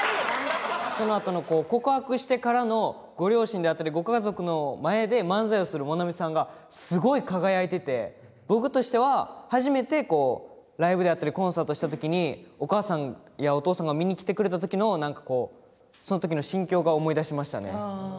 そのあとの告白してからのご両親であったりご家族の前で漫才をする萌菜見さんがすごい輝いてて僕としては初めてライブであったりコンサートした時にお母さんやお父さんが見に来てくれた時の何かこうその時の心境が思い出しましたね。